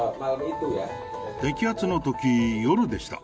摘発のとき、夜でした。